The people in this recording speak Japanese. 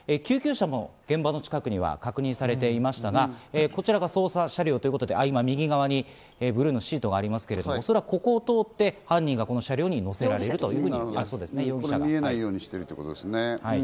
救急車も現場の近くには確認されていましたが、こちらが捜査車両ということで右側にブルーのシートがありますけれども、おそらくここを通って犯人がこの車両に乗せられるということですね。